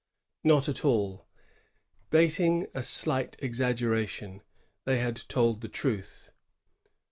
Not at all. Bating a slight exaggeration, they had told the truth.